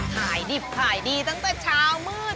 ขายดิบขายดีตั้งแต่เช้ามืด